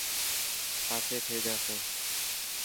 آفي ٿي جاسي.